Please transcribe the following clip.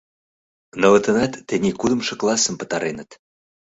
Нылытынат тений кудымшо классым пытареныт.